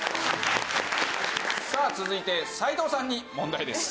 さあ続いて斎藤さんに問題です。